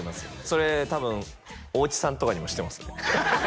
それ多分大地さんとかにもしてますね